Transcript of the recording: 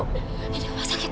ini emak sakit